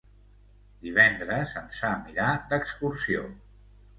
Divendres en Sam irà d'excursió.